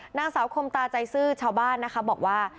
หน้าสาวคมตาใจซื่อชาวบ้านบอกว่า